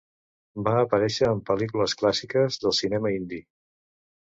Va aparèixer en pel·lícules clàssiques del cinema hindi.